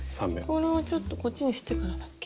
このちょっとこっちにしてからだっけ？